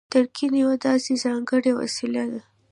تلقين يوه داسې ځانګړې وسيله ده.